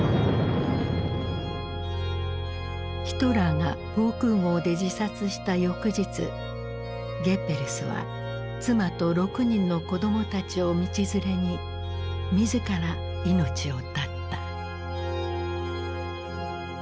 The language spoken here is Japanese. ヒトラーが防空ごうで自殺した翌日ゲッベルスは妻と６人の子どもたちを道連れに自ら命を絶った。